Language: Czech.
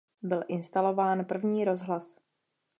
Byl instalován první rozhlas.